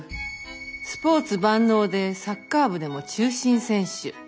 スポーツ万能でサッカー部でも中心選手。